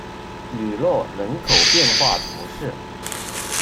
吕诺人口变化图示